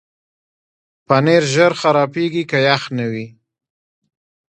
پنېر ژر خرابېږي که یخ نه وي.